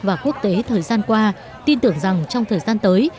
và quốc tế thời gian qua tin tưởng rằng trong thời gian tới